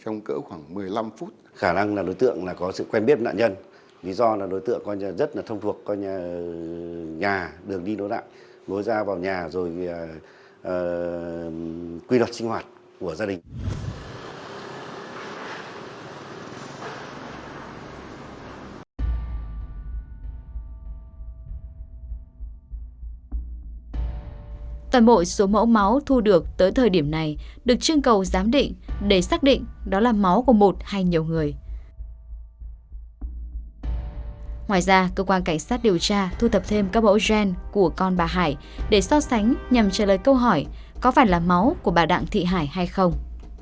ngoài ra cơ quan cảnh sát điều tra thu thập thêm các bộ gen của con bà hải để so sánh nhằm trả lời câu hỏi có phải là máu của bà đặng thị hải hay không